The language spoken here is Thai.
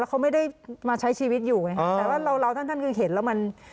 เขาไม่ได้มาใช้ชีวิตอยู่ไงฮะแต่ว่าเราเราท่านท่านคือเห็นแล้วมัน